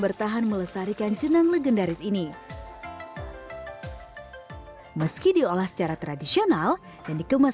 bertahan melestarikan jenang legendaris ini meski diolah secara tradisional dan dikemas